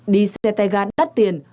đi xe tay ga đắt tiền